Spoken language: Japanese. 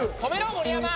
盛山！